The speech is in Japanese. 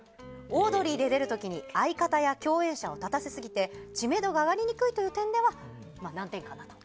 オードリーで出る時に相方や共演者を立たせすぎて知名度が上がりにくいという点では難点かなと。